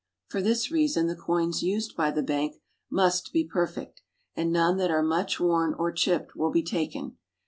For this reason the coins used by the bank must be perfect, and none that are much worn or chipped will be taken.